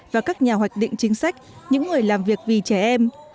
và các nhà hoạch định chính sách những người làm việc vì trẻ em